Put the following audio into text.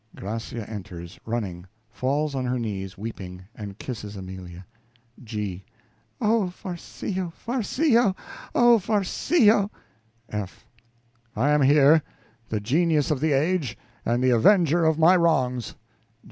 (Gracia enters running, falls on her knees weeping, and kisses Amelia.) G. Oh, Farcillo, Farcillo! oh, Farcillo! F. I am here, the genius of the age, and the avenger of my wrongs.